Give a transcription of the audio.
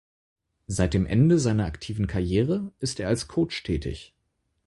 Seit dem Ende seiner aktiven Karriere ist er als Coach tätig.